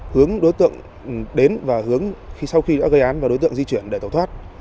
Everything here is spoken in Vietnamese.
hướng đối tượng đến và hướng khi sau khi đã gây án và đối tượng di chuyển để tẩu thoát